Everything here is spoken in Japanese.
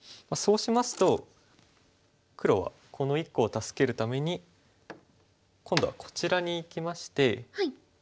そうしますと黒はこの１個を助けるために今度はこちらにいきまして。